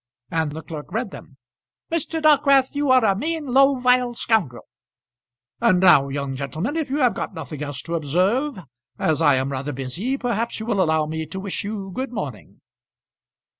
And the clerk read them, "Mr. Dockwrath, you are a mean, low, vile scoundrel." "And now, young gentlemen, if you have got nothing else to observe, as I am rather busy, perhaps you will allow me to wish you good morning."